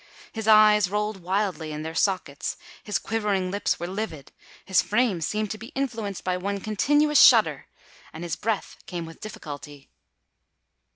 His eyes rolled wildly in their sockets—his quivering lips were livid—his frame seemed to be influenced by one continuous shudder, and his breath came with difficulty.